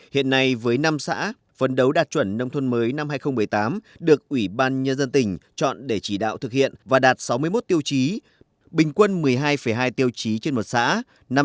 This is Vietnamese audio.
hiện nay với năm xã phấn đấu đạt chuẩn nông thôn mới năm hai nghìn một mươi tám được ủy ban nhân dân tỉnh chọn để chỉ đạo thực hiện và đạt sáu mươi một tiêu chí bình quân một mươi hai hai tiêu chí trên một xã